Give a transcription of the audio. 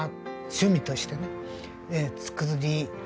趣味としてね作り始めて。